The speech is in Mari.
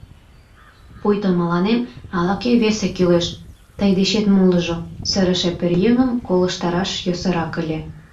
— Пуйто мыланем ала-кӧ весе кӱлеш, тый дечет молыжо! — сырыше пӧръеҥым колыштараш йӧсырак ыле.